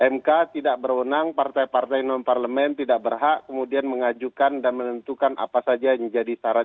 mk tidak berwenang partai partai non parlemen tidak berhak kemudian mengajukan dan menentukan apa saja yang menjadi syarat